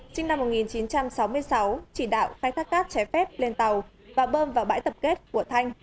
sinh năm một nghìn chín trăm sáu mươi sáu chỉ đạo khai thác cát trái phép lên tàu và bơm vào bãi tập kết của thanh